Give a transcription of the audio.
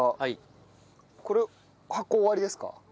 これ発酵終わりですか？